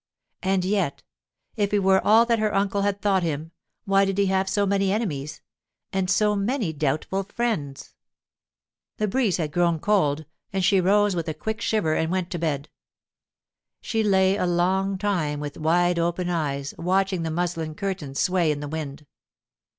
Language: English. And yet, if he were all that her uncle had thought him, why did he have so many enemies—and so many doubtful friends? The breeze had grown cold, and she rose with a quick shiver and went to bed. She lay a long time with wide open eyes watching the muslin curtains sway in the wind.